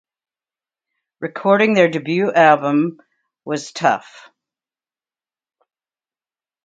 Recording their debut album was tough.